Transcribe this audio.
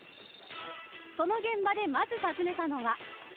その現場で、まず訪ねたのは。